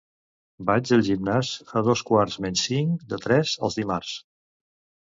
Vaig al gimnàs a dos quarts menys cinc de tres els dimarts.